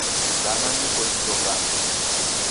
Kana niko didokana